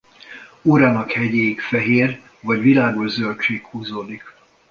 Orrának hegyéig fehér vagy világoszöld csík húzódik.